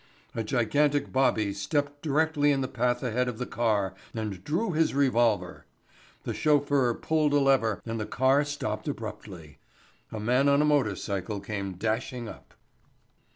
A gigantic bobby stepped directly in the path ahead of the car and drew his revolver. The chauffeur pulled a lever and the car stopped abruptly. A man on a motor cycle came dashing up.